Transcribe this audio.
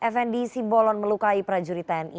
fnd simbolon melukai prajurit tni